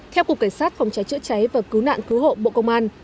theo cục cảnh sát phòng cháy chữa cháy và cứu nạn cứu hộ bộ công an